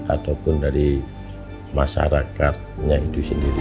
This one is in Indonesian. ataupun dari masyarakatnya itu sendiri